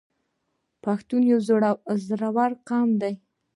پښتون یو زړور قوم دی.